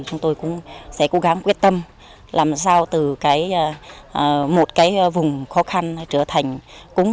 chúng tôi cũng sẽ cố gắng quyết tâm làm sao từ một vùng khó khăn